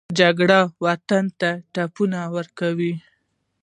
جګړه وطن ته ټپونه ورکوي